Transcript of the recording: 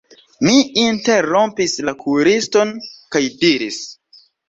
Mi interrompis la kuiriston kaj diris: